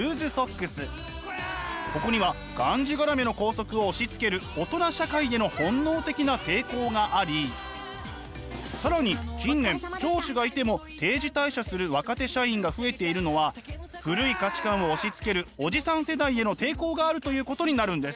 ここにはがんじがらめの校則を押しつける大人社会への本能的な抵抗があり更に近年上司がいても定時退社する若手社員が増えているのは古い価値観を押しつけるおじさん世代への抵抗があるということになるんです。